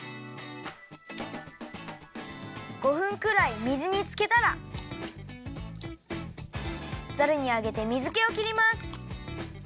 ５分くらい水につけたらザルにあげて水けを切ります。